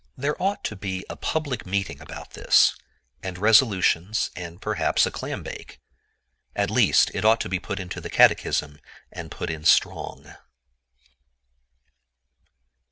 There ought to be a public meeting about this, and resolutions, and perhaps a clambake. At least, it ought to be put into the catechism, and put in strong.